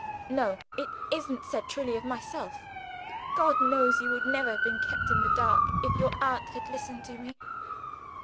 "No. It isn't said truly of myself. God knows you would never have been kept in the dark, if your aunt had listened to me.